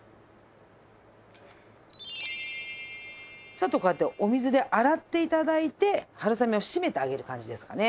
ちょっとこうやってお水で洗って頂いて春雨を締めてあげる感じですかね。